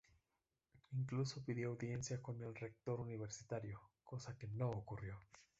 Incluso pidió audiencia con el rector universitario, cosa que no ocurrió.